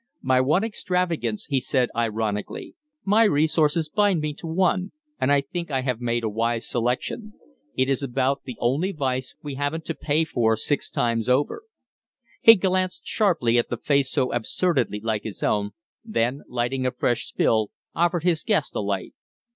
"My one extravagance!" he said, ironically. "My resources bind me to one; and I think I have made a wise selection. It is about the only vice we haven't to pay for six times over." He glanced sharply at the face so absurdly like his own, then, lighting a fresh spill, offered his guest a light.